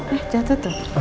eh jatuh tuh